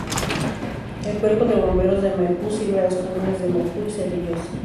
El Cuerpo de Bomberos de Maipú sirve a las comunas de Maipú y Cerrillos.